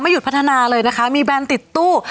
หยุดพัฒนาเลยนะคะมีแบรนด์ติดตู้